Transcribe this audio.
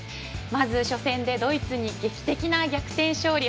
まず、初戦でドイツに劇的な逆転勝利。